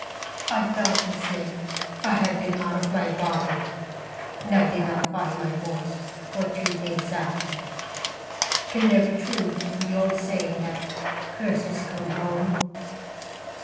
I felt as if I had been out of my body. And I did not find my voice for two days after. Can there be truth in the old saying that curses come home?